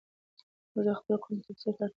موږ د خپلو کړنو تفسیر ته اړتیا لرو.